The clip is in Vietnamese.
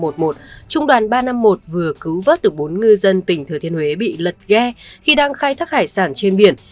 trung đoàn ba trăm năm mươi một vừa cứu vớt được bốn ngư dân tỉnh thừa thiên huế bị lật ghe khi đang khai thác hải sản trên biển